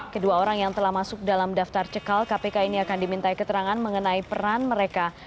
kedua orang yang telah masuk dalam daftar cekal kpk ini akan dimintai keterangan mengenai peran mereka